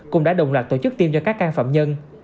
cũng đã đồng loạt tổ chức tiêm cho các can phạm nhân